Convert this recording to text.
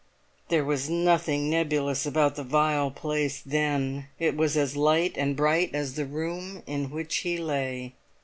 There was nothing nebulous about the vile place then; it was as light and bright as the room in which he lay.